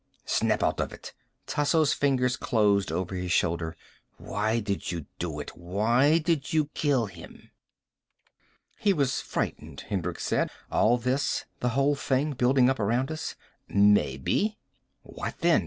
"Snap out of it." Tasso's fingers closed over his shoulder. "Why did you do it? Why did you kill him?" "He was frightened," Hendricks said. "All this, the whole thing, building up around us." "Maybe." "What, then?